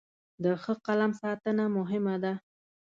د ښه قلم ساتنه مهمه ده.